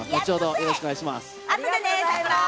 よろしくお願いします。